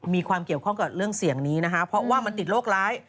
มีความเกี่ยวข้องกับเรื่องเสี่ยงนี้นะคะเพราะว่ามันติดโรคร้าย